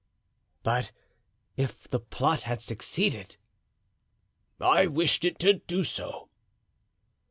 "But—if the plot had succeeded?" "I wished it to do so."